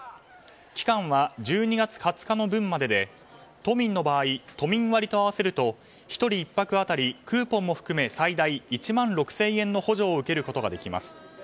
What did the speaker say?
期間は１２月２０日の分までで都民割と合わせると１人１泊当たりクーポンも含め最大１万６０００円の補助を受けることができます。